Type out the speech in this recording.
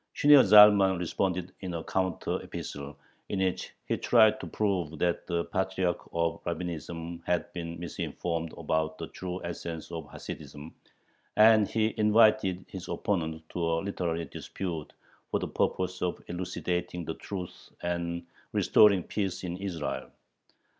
Shneor Zalman responded in a counter epistle, in which he tried to prove that the patriarch of Rabbinism had been misinformed about the true essence of Hasidism, and he invited his opponent to a literary dispute for the purpose of elucidating the truth and "restoring peace in Israel."